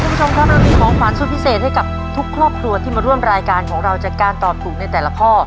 คุณผู้ชมครับเรามีของขวานสุดพิเศษให้กับทุกครอบครัวที่มาร่วมรายการของเราจากการตอบถูกในแต่ละข้อ